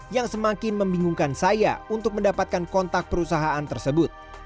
yang semakin membingungkan saya untuk mendapatkan kontak perusahaan tersebut